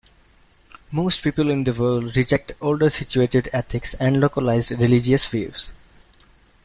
Most people in the world reject older situated ethics and localized religious views.